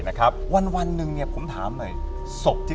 มูไน